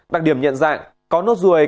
đặc điểm nhận dạng có nốt ruồi